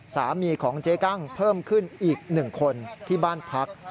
สามีของเจ๊กั้งเพิ่มขึ้นอีก๑คนที่บ้านพัก